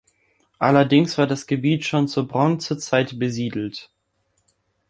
Allerdings war das Gebiet schon zur Bronzezeit besiedelt.